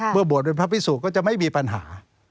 บวชเป็นพระพิสุก็จะไม่มีปัญหา